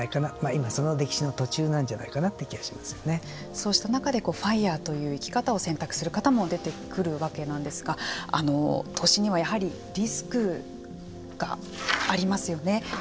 今、その歴史の途中なんじゃそうした中でＦＩＲＥという生き方を選択する方も出てくるわけなんですが投資にはやはりリスクがありますよね。